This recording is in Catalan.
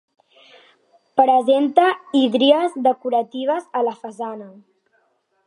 Presenta hídries decoratives a la façana.